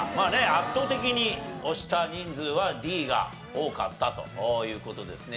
圧倒的に押した人数はＤが多かったという事ですね。